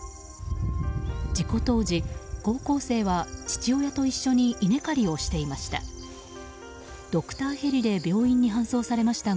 事故当時、高校生は父親と一緒に稲刈りをしていました。